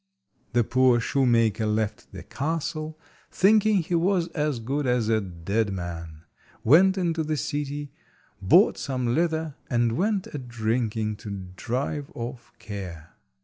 The poor shoemaker left the castle, thinking he was as good as a dead man, went into the city, bought some leather, and went a drinking to drive off care.